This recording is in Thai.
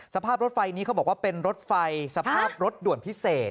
สภาพรถไฟนี้เขาบอกว่าเป็นรถไฟสภาพรถด่วนพิเศษ